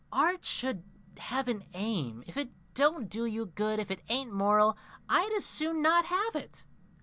Art should have an aim. If it don't do you good, if it ain't moral, I'd as soon not have it.